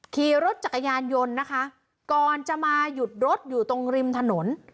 ขี่รถจักรยานยนต์นะคะก่อนจะมาหยุดรถอยู่ตรงริมถนน